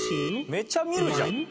めちゃ見るじゃん。